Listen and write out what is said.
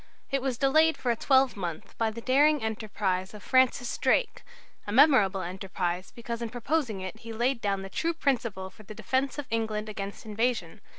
It was delayed for a twelvemonth by a daring enterprise of Francis Drake, a memorable enterprise, because in proposing it he laid down the true principle for the defence of England against invasion.